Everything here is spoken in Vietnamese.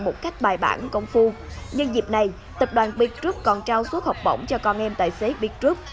một cách bài bản công phu nhân dịp này tập đoàn b group còn trao suốt học bổng cho con em tài xế b group